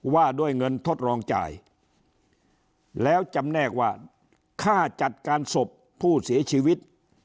ว่าด้วยเงินทดลองจ่ายแล้วจำแนกว่าค่าจัดการศพผู้เสียชีวิต